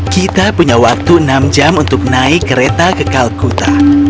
kita punya waktu enam jam untuk naik kereta ke kalkuta